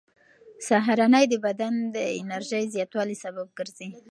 سهارنۍ د بدن د انرژۍ زیاتوالي سبب ګرځي.